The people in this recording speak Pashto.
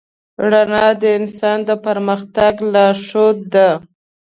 رڼا د انسان د پرمختګ لارښود ده.